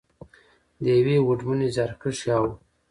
، د یوې هوډمنې، زیارکښې او .